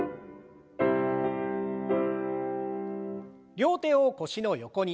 両手を腰の横に。